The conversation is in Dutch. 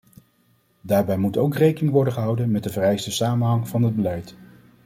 Daarbij moet ook rekening worden gehouden met de vereiste samenhang van het beleid.